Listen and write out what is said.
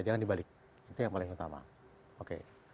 jangan di balik itu yang paling utama oke